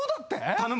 頼む。